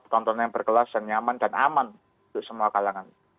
tontonan yang berkelas dan nyaman dan aman untuk semua kalangan